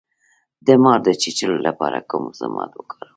د مار د چیچلو لپاره کوم ضماد وکاروم؟